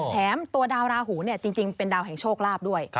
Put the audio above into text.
แถมตัวดาวราหูจริงเป็นดาวแห่งโชคลาภด้วย